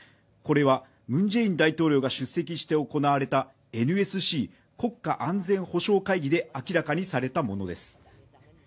これはムン・ジェイン大統領が出席して行われたＮＳＣ＝国家安全保障会議で明らかにされたものです。